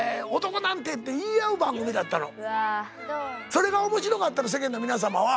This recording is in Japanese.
それが面白かったの世間の皆様は。